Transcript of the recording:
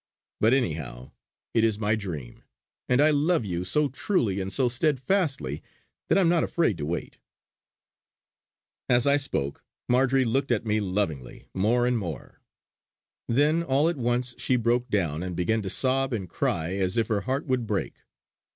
But anyhow, it is my dream; and I love you so truly and so steadfastly that I am not afraid to wait!" As I spoke, Marjory looked at me lovingly, more and more. Then all at once she broke down, and began to sob and cry as if her heart would break.